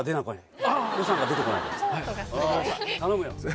頼むよ。